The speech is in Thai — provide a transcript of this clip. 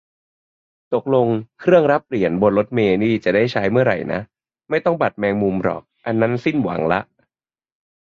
ตกลง เครื่องรับเหรียญบนรถเมล์นี่จะได้ใช้เมื่อไรนะ ไม่ต้องบัตรแมงมุมหรอก อันนั้นสิ้นหวังละ